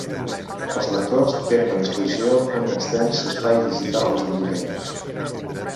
Els lectors tenen a disposició un extens espai digital a les biblioteques